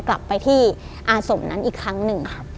กลับไปที่อาสมนั้นอีกครั้งหนึ่ง